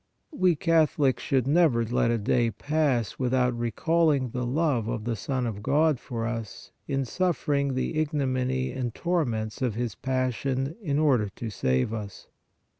We Catholics should never let a day pass without recalling the love of the Son of God for us in suffering the ignominy and torments of His passion in order to save us.